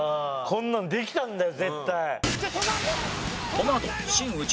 こんなのできたんだよ絶対。